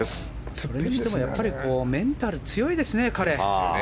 それにしてもメンタル強いですね、彼。